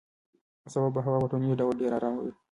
سبا به هوا په ټولیز ډول ډېره ارامه وي.